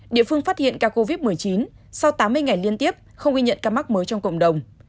địa phương phát hiện ca covid một mươi chín sau tám mươi ngày liên tiếp không ghi nhận ca mắc mới trong cộng đồng